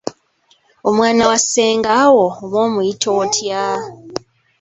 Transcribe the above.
Omwana wa ssengaawo oba omuyita otya?